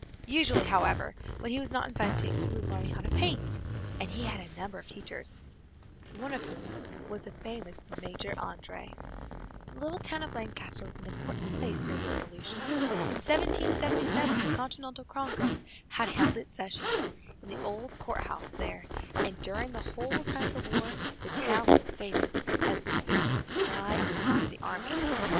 Usually, however, when he was not inventing he was learning how to paint, and he had a number of teachers, one of whom was the famous Major André. The little town of Lancaster was an important place during the Revolution. In 1777 the Continental Congress had held its sessions in the old court house there, and during the whole time of the war the town was famous as the depot of supplies for the army.